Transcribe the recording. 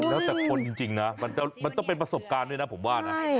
แล้วแต่คนจริงนะมันต้องเป็นประสบการณ์ด้วยนะผมว่านะ